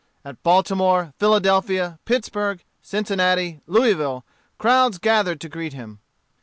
At Baltimore, Philadelphia, Pittsburgh, Cincinnati, Louisville, crowds gathered to greet him.